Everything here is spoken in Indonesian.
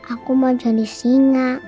aku mau jadi singa